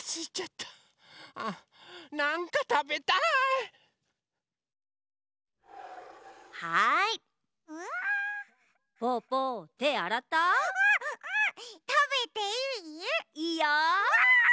たべていい？いいよ。わ！